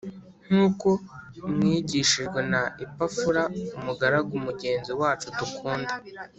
nk’uko mwigishijwe na Epafura umugaragu mugenzi wacu dukunda